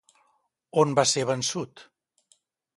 On va ser vençut?